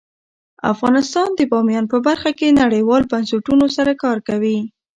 افغانستان د بامیان په برخه کې نړیوالو بنسټونو سره کار کوي.